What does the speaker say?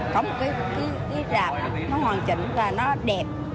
có một cái rạp nó hoàn chỉnh và nó đẹp